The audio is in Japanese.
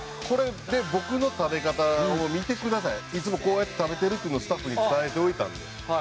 「これで僕の食べ方を見てください」「いつもこうやって食べてるっていうのをスタッフに伝えておいたんで」